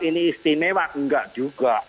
ini istimewa tidak juga